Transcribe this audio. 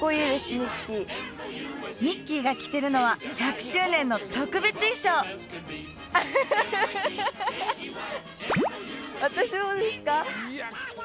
ミッキーミッキーが着てるのは１００周年の特別衣装私もですか？